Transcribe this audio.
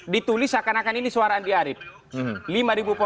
ditulis seakan akan ini suara andi arief